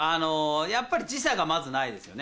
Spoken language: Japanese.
やっぱり時差がまず、ないですよね。